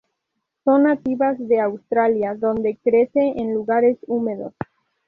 Son nativas de Australia donde crece en lugares húmedos.